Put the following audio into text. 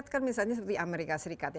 sebenarnya seperti amerika serikat ya